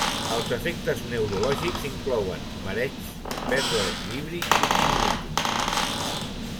Els efectes neurològics inclouen mareigs, pèrdua d'equilibri i tinnitus.